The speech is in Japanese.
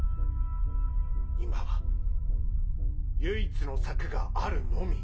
今は唯一の策があるのみ。